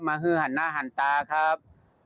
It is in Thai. ฮือหันหน้าหันตาครับ